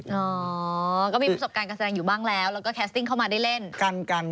อ๋อก็มีประสบการณ์การแสดงอยู่บ้างแล้วแล้วก็แคสติ้งเข้ามาได้เล่นกัน